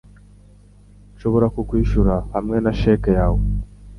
Nshobora kukwishura hamwe na cheque yawe